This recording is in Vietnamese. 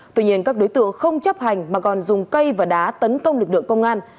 tuy nhiên các đối tượng không chấp hành mà còn dùng cây và đá tấn công lực lượng công an